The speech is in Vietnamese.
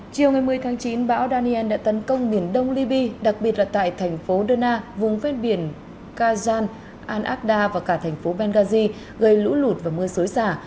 chiều một mươi tháng chín bão daniel đã tấn công miền đông libby đặc biệt là tại thành phố duna vùng phết biển kazan anakda và cả thành phố benghazi gây lũ lụt và mưa sối xả